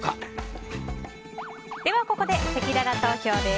ここでせきらら投票です。